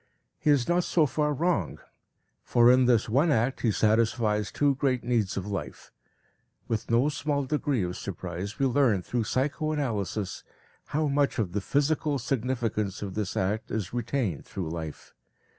He is not so far wrong, for in this one act he satisfies two great needs of life. With no small degree of surprise we learn through psychoanalysis how much of the physical significance of this act is retained through life.